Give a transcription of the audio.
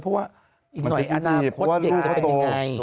เพราะว่าอีกหน่อยอนาคตเด็กจะเป็นยังไง